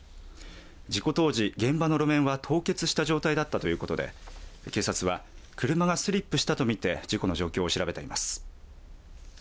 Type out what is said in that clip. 事故当時、現場の路面は凍結した状態だったということで警察は、車がスリップしたと見て事故の状況を調べています。